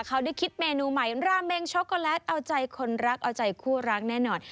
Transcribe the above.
เขาได้คิดเมนูใหม่ราเมงช็อกโกแลตเอาใจคนรักเอาใจคู่รักแน่นอน